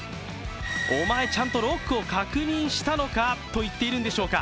お前、ちゃんとロックを確認したのかと言っているんでしょうか？